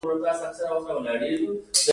څلورمه برخه وسایل او د اندازه ګیری چارې دي.